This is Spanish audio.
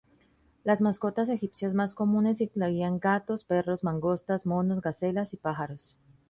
Las mascotas egipcias más comunes incluían gatos, perros, mangostas, monos, gacelas y pájaros.